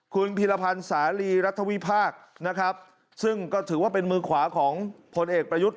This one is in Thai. คุณพีรพันธ์สาลีรัฐวิพากษ์นะครับซึ่งก็ถือว่าเป็นมือขวาของพลเอกประยุทธ์